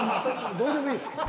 どうでもいいですけど。